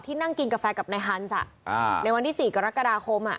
นั่งกินกาแฟกับนายฮันส์ในวันที่๔กรกฎาคม